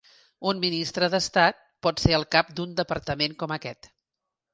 Un ministre d'estat pot ser el cap d'un departament com aquest.